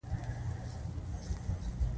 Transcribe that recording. د جوارو غوړي د زړه لپاره وکاروئ